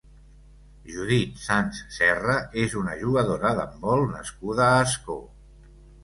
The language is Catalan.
Judith Sans Serra és una jugadora d'handbol nascuda a Ascó.